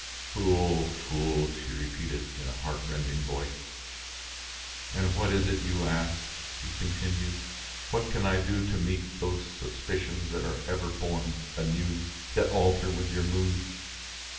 "Fool! Fool!" she repeated, in a heart rending voice. "And what is it you ask?" she continued. "What can I do to meet those suspicions that are ever born anew, that alter with your moods?